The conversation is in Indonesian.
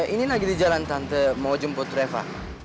ini lagi di jalan tante mau jemput reva